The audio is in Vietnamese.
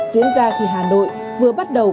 diễn ra khi hà nội vừa bắt đầu